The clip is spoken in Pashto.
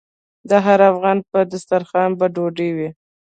د هر افغان په دسترخان به ډوډۍ وي؟